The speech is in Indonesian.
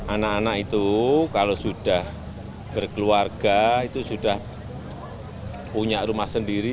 anak anak itu kalau sudah berkeluarga itu sudah punya rumah sendiri